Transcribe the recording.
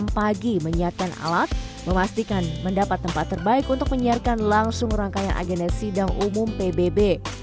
pagi menyiapkan alat memastikan mendapat tempat terbaik untuk menyiarkan langsung rangkaian agenda sidang umum pbb